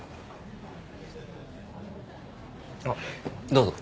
あっどうぞ。